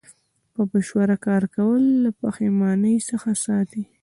په مشوره کار کول له پښیمانۍ څخه ساتي.